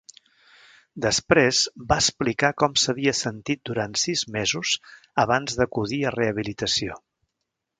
Després va explicar com s'havia sentit durant sis mesos abans d'acudir a rehabilitació.